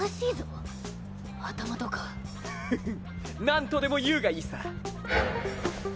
何とでも言うがいいさ。